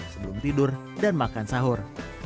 sebelum tidur dan makan sahur